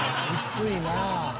「薄いな」